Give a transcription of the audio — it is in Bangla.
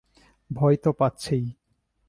ভয় তো পাচ্ছিই।